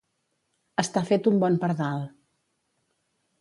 Estar fet un bon pardal.